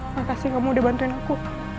makasih kamu udah bantuin aku